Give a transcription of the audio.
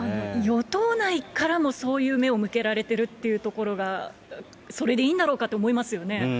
与党内からもそういう目を向けられてるっていうところが、それでいいんだろうかって思いますよね。